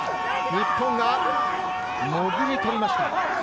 日本がもぎり取りました。